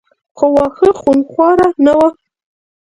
خو واښه خونخواره نه وو.